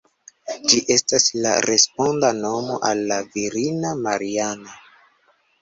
Ĝi estas la responda nomo al la virina Mariana.